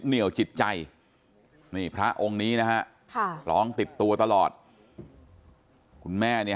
เหนียวจิตใจนี่พระองค์นี้นะฮะค่ะร้องติดตัวตลอดคุณแม่เนี่ย